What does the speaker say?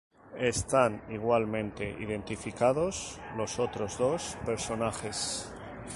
Están igualmente identificados los otros dos personajes.